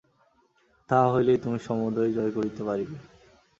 তাহা হইলেই তুমি সমুদয় জয় করিতে পারিবে।